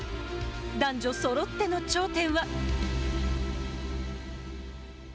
男女そろっての頂点は。